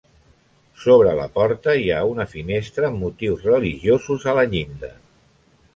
Sobre la porta hi ha una finestra amb motius religiosos a la llinda.